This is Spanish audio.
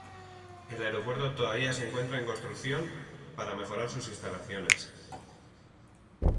El aeropuerto todavía se encuentra en reconstrucción para mejorar sus instalaciones.